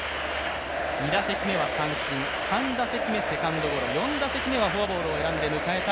２打席目は三振、３打席目はセカンドゴロ４打席目はフォアボールを選んで迎えた